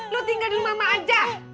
lu tinggal di rumah mak aja